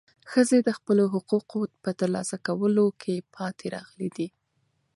ښځې د خپلو حقوقو په ترلاسه کولو کې پاتې راغلې دي.